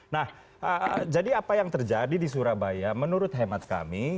nah jadi apa yang terjadi di surabaya menurut hemat kami